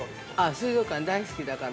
◆水族館大好きだから。